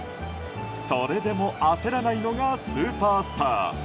それでも焦らないのがスーパースター。